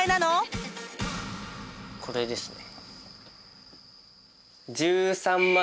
これですね。